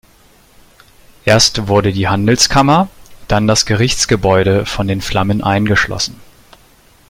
Erst wurde die Handelskammer, dann das Gerichtsgebäude von den Flammen eingeschlossen.